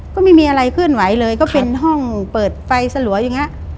ก็ไม่มีอะไรเคลื่อนไหวเลยก็เป็นห้องเปิดไฟสลัวอย่างนี้